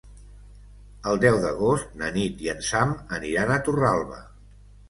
El deu d'agost na Nit i en Sam aniran a Torralba.